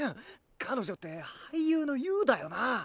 彼女って俳優のユウだよな？